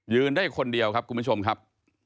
ได้คนเดียวครับคุณผู้ชมครับ